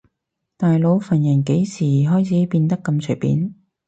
大佬份人幾時開始變得咁隨便